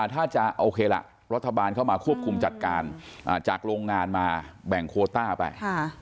ถ้าจะโอเคล่ะรัฐบาลเข้ามาควบคุมจัดการจากโรงงานมาแบ่งโคต้าไป